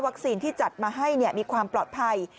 ที่จัดมาให้มีความปลอดภัย